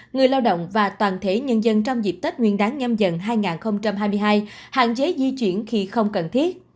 người lao động và toàn thể nhân dân trong dịp tết nguyên đáng nhâm dần hai nghìn hai mươi hai hạn chế di chuyển khi không cần thiết